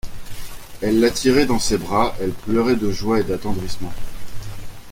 Elle l’attirait, dans ses bras… elle pleurait de joie et d’attendrissement.